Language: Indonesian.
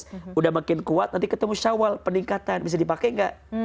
sudah makin kuat nanti ketemu syawal peningkatan bisa dipakai nggak